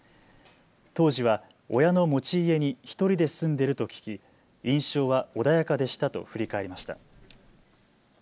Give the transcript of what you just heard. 当時は親の持ち家に１人で住んでると聞き、印象は穏やかでしたと振り返りました。